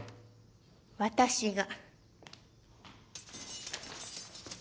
私が。